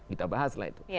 kita bahas lah itu